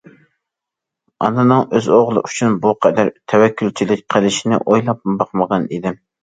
ئانىنىڭ ئۆز ئوغلى ئۈچۈن بۇ قەدەر تەۋەككۈلچىلىك قىلىشىنى ئويلاپمۇ باقمىغان ئىدىم.